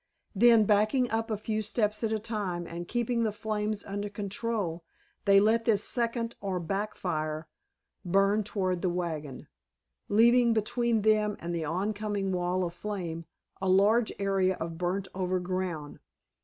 Then backing up a few steps at a time, and keeping the flames under control, they let this second or "back fire" burn toward the wagon, leaving between them and the oncoming wall of flame a large area of burned over ground.